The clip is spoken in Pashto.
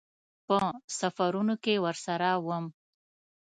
په سفرونو کې ورسره وم.